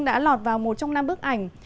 đã lọt vào một trong năm bức ảnh